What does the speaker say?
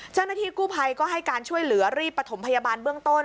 เจ้าหน้าที่กู้ภัยก็ให้การช่วยเหลือรีบประถมพยาบาลเบื้องต้น